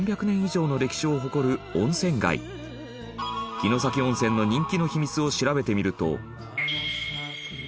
城崎温泉の人気の秘密を調べてみると。